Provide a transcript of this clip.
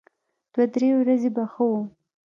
دوه درې ورځې به ښه و.